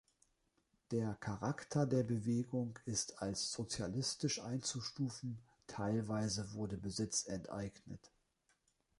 Der Charakter der Bewegung ist als sozialistisch einzustufen, teilweise wurde Besitz enteignet.